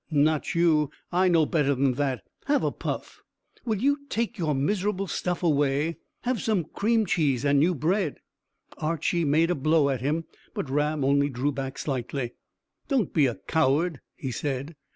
"Not you. I know better than that. Have a puff." "Will you take your miserable stuff away?" "Have some cream cheese and new bread." Archy made a blow at him, but Ram only drew back slightly. "Don't be a coward," he said.